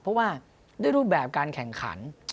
เพราะว่าด้วยรูปแบบการแข่งขัน